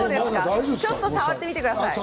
ちょっと触ってください。